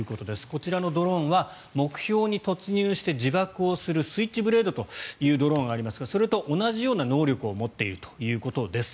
こちらのドローンは目標に突入して自爆するスイッチブレードというドローンがありますがそれと同じような能力を持っているということです。